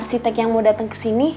masi tek yang mau datang kesini